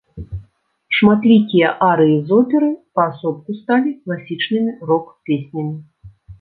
Шматлікія арыі з оперы паасобку сталі класічнымі рок-песнямі.